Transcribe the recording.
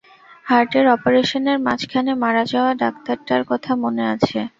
হার্টের অপারেশনের মাঝখানে মারা যাওয়া ডাক্তারটার কথা মনে আছে?